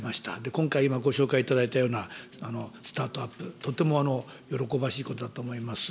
今回、今、ご紹介いただいたようなスタートアップ、とっても喜ばしいことだと思います。